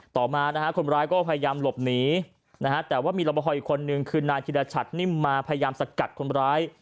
ต่อมานะฮะคนร้ายก็พยายามหลบหนีนะฮะแต่ว่ามีรบพออีกคนนึงคือนายธิรชัดนิ่มมาพยายามสกัดคนร้าย